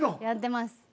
やってます。